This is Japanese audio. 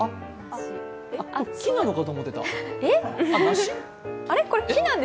木なのかと思ってた、梨なの？